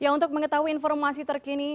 untuk mengetahui informasi terkini